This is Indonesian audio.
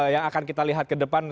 yang akan kita lihat ke depan